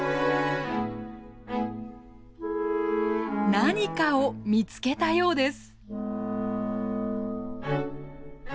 何かを見つけたようです。